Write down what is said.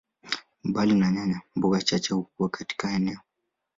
Mbali na nyanya, mboga chache hukua katika eneo.